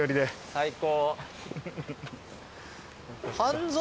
最高。